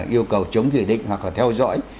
yêu cầu chống chỉ định hoặc là theo dõi